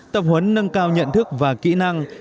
tập huấn nâng cao nhận thức và kỹ năng